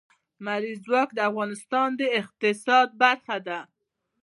لمریز ځواک د افغانستان د اقتصاد برخه ده.